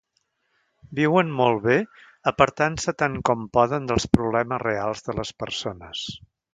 Viuen molt bé apartant-se tant com poden dels problemes reals de les persones.